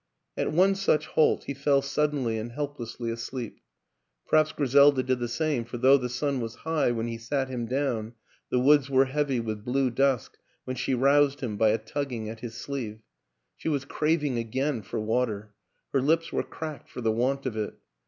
At one such halt he fell suddenly and help lessly asleep; perhaps Griselda did the same, for though the sun was high when he sat him down the woods were heavy with blue dusk when she roused him by a tugging at his sleeve. She was craving again for water; her lips were cracked for the want of it.